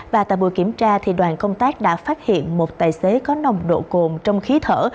và tại buổi kiểm tra đoàn công tác đã phát hiện một tài xế có nồng độ cồn trong khí thở